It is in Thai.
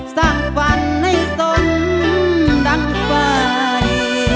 สัมพันธ์ให้สนดังไป